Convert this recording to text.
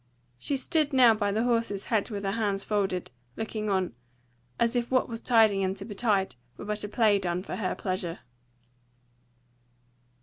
She stood now by the horse's head with her hands folded, looking on, as if what was tiding and to betide, were but a play done for her pleasure.